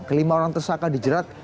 kelima orang tersangka dijerat